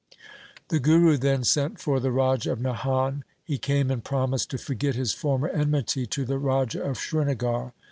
The Guru then sent for the Raja of Nahan. He came and promised to forget his former enmity to the Raja of Srinagar.